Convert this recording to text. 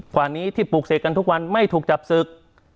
ป่านนี้ที่ปลูกเสกกันทุกวันไม่ถูกจับศึก